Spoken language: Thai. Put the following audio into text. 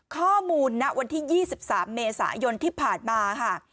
ข้อมูลณวันที่๒๓เมษายนที่ผ่านมาค่ะ